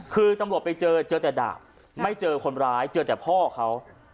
คือตำรวจไปเจอเจอแต่ดาบไม่เจอคนร้ายเจอแต่พ่อเขา